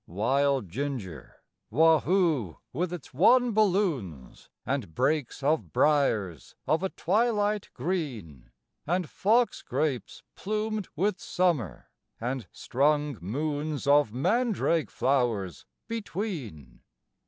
Wild ginger; wahoo, with its wan balloons; And brakes of briers of a twilight green; And fox grapes plumed with summer; and strung moons Of mandrake flowers between.